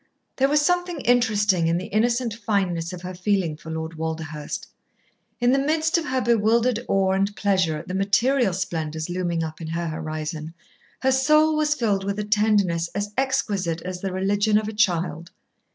There was something interesting in the innocent fineness of her feeling for Lord Walderhurst. In the midst of her bewildered awe and pleasure at the material splendours looming up in her horizon, her soul was filled with a tenderness as exquisite as the religion of a child.